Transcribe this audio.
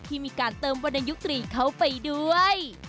ที่มีการเติมวรรณยุตรีเข้าไปด้วย